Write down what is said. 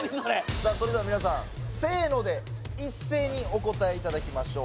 さあそれでは皆さんせので一斉にお答えいただきましょう